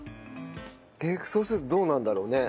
そうするとどうなるんだろうね？